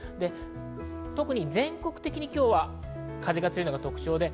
特に全国的に今日は風が強いのが特徴です。